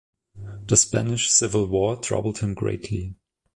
The Spanish Civil War troubled him greatly.